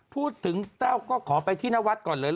พูดถึงแต้วก็ขอไปที่นวัฒน์ก่อนเลย